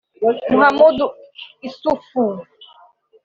Mahamadou Issoufou